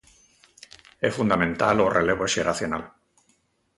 É fundamental o relevo xeracional.